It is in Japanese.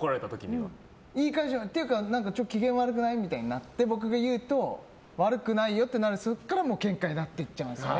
っていうか今日、機嫌悪くない？って僕が言うと悪くないよってなってそこからケンカになってっちゃうんですよね。